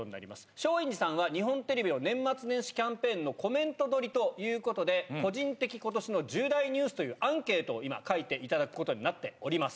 松陰寺さんは日本テレビの年末年始キャンペーンのコメント撮りということで、個人的ことしの１０大ニュースというアンケートを今、書いていただくことになっております。